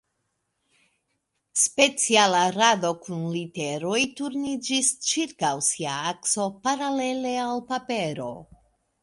Speciala rado kun literoj turniĝis ĉirkaŭ sia akso paralele al papero.